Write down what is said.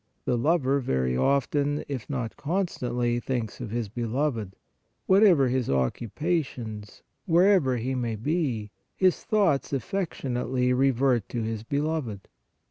The lover very often, if not constantly, thinks of his beloved. Whatever his occupations, wherever he may be, his thoughts af fectionately revert to his beloved.